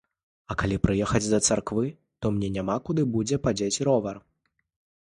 А калі прыехаць да царквы, то мне няма куды будзе падзець ровар.